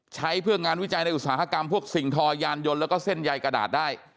ใช้เพื่องานวิจัยในอุตสาหกรรมพวกสิ่งทอยานยนต์แล้วก็เส้นใยกระดาษได้